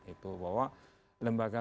itu bahwa lembaga